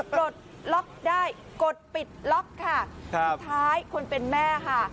ปลดล็อกได้กดปิดล็อกค่ะสุดท้ายคนเป็นแม่ค่ะ